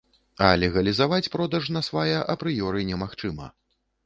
А легалізаваць продаж насвая апрыёры немагчыма.